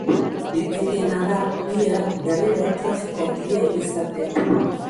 Litekeena da bihar berriro trafiko handia izatea.